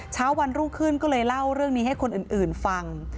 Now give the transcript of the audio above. เช้าวันรุ่งขึ้นก็เลยเล่าเรื่องนี้ให้คนอื่นฟัง